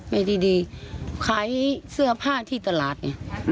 แม่ที่ดีขายเสื้อผ้าที่ตลาดเนี่ย